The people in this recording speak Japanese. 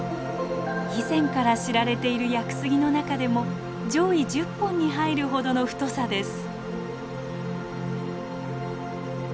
以前から知られている屋久杉の中でも上位１０本に入るほどの太さです。